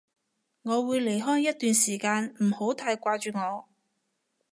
我會離開一段時間，唔好太掛住我